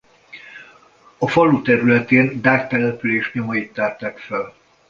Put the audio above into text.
A falu területén dák település nyomait tárták fel.